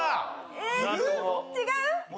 えっ違う？